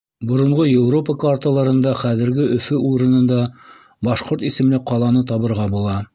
Боронғо Европа карталарында хәҙерге Өфө урынында Башҡорт исемле ҡаланы табырға була.